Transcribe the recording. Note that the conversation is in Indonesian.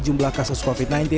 jumlah kasus covid sembilan belas